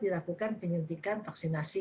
dilakukan penyuntikan vaksinasi